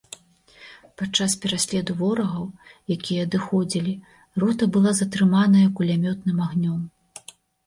Падчас пераследу ворагаў, якія адыходзілі, рота была затрыманая кулямётным агнём.